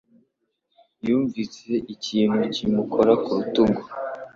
Yumvise ikintu kimukora ku rutugu.